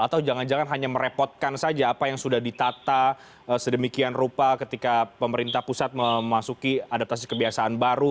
atau jangan jangan hanya merepotkan saja apa yang sudah ditata sedemikian rupa ketika pemerintah pusat memasuki adaptasi kebiasaan baru